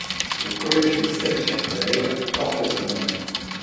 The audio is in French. Le collège de Celles-sur-Belle porte son nom.